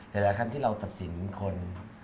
หลายครั้งที่เราตัดสินคน